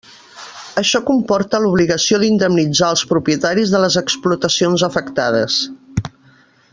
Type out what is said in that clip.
Això comporta l'obligació d'indemnitzar els propietaris de les explotacions afectades.